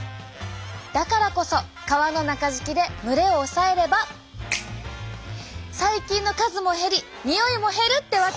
だからこそ革の中敷きで蒸れを抑えれば細菌の数も減りにおいも減るってわけ！